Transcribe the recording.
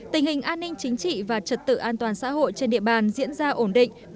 tình hình an ninh chính trị và trật tự an toàn xã hội trên địa bàn diễn ra ổn định